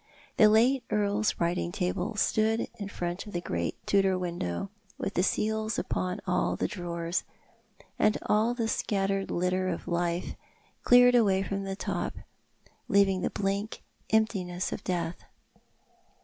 The late earl's writing table stood in front of the great Tudor window, with the seals upon all the drawers, and all the scattered litter of life cleared away from the top, leaving the blank emptiness of death. The Furies on the Hearth.